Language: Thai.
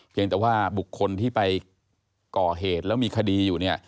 เพียงแต่ว่าบุคคลที่ไปกรอเหตุแล้วมีคดีอยู่